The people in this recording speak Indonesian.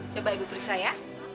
coba ibu periksa ya